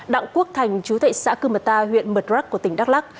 đặng quốc thành chú thị xã cư mật ta huyện mật rắc của tỉnh đắk lắc